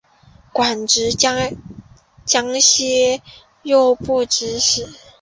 官至江西右布政使。